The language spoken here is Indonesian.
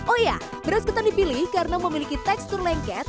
oh ya beras ketan dipilih karena memiliki tekstur lengket